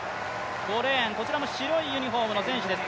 ５レーン、こちらも白いユニフォームの選手です。